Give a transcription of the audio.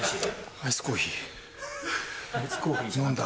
アイスコーヒー飲んだ。